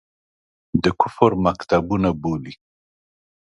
د کفر مکتبونه بولي.